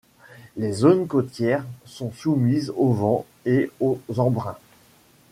Les zones côtières sont soumises au vent et aux embruns.